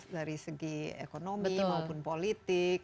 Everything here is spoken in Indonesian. dari segi ekonomi maupun politik